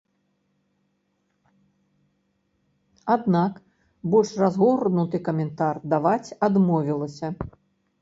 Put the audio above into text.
Аднак больш разгорнуты каментар даваць адмовілася.